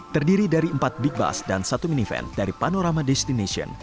terdiri dari empat big bus dan satu minifan dari panorama destination